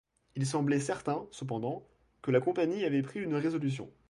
Il semblait certain, cependant, que la Compagnie avait pris une résolution.